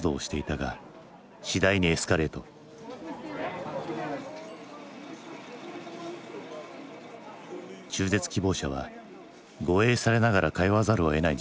中絶希望者は護衛されながら通わざるをえない事態に陥っていた。